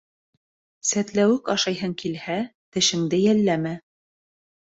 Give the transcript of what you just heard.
Сәтләүек ашайһың килһә, тешеңде йәлләмә.